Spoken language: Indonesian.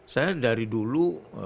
saya dari dulu